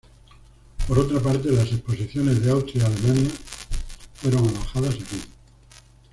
Por otra parte, las exposiciones de Austria y Alemania fueron alojadas aquí.